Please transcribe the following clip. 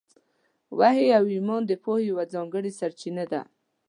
وحي او ایمان د پوهې یوه ځانګړې سرچینه ده.